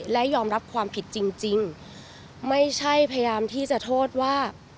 และยอมรับความผิดจริงจริงไม่ใช่พยายามที่จะโทษว่า